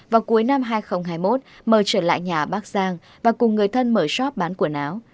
vào cuối năm hai nghìn hai mươi một mờ trở lại nhà bác giang và cùng người thân mở shop bán quần áo